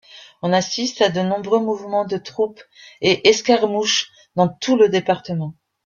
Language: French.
On assiste à de nombreux mouvements de troupes et escarmouches dans tout le département.